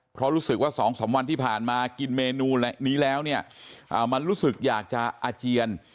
เพราะรู้สึกว่า๒๓วันที่ผ่านมากินเมนูนี้แล้วเนี่ยมันรู้สึกอยากจะอาเจียน